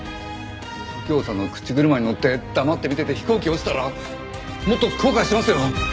右京さんの口車にのって黙って見てて飛行機落ちたらもっと後悔しますよ！